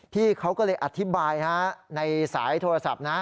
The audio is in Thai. พี่เขาก็เลยอธิบายในสายโทรศัพท์นะ